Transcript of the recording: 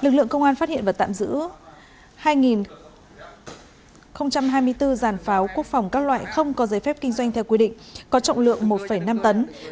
lực lượng công an phát hiện và tạm giữ hai hai mươi bốn giàn pháo quốc phòng các loại không có giới phép kinh doanh theo quy định có trọng lượng một năm tấn